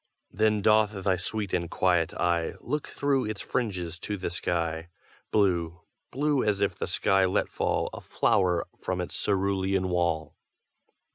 Then doth thy sweet and quiet eye Look through its fringes to the sky, Blue blue as if that sky let fall A flower from its cerulean wall.